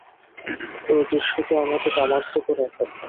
ঐ দৃশ্য তো আমাকে কামার্ত করার কথা।